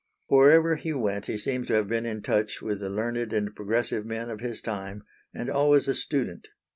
Wherever he went he seems to have been in touch with the learned and progressive men of his time, and always a student.